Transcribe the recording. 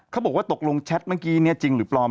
เขาบอกว่าตกลงแชทเมื่อกี้เนี่ยจริงหรือปลอม